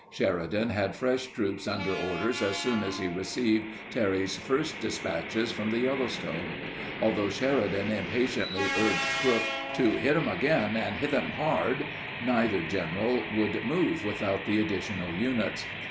Sheridan had fresh troops under orders as soon as he received Terry's first dispatches from the Yellow stone. Although Sheridan impatiently urged Crook "to hit them again and hit them hard," neither general would move without the additional units.